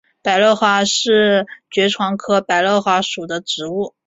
百簕花是爵床科百簕花属的植物。